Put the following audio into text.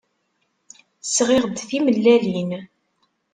Sɣiɣ-d timellalin.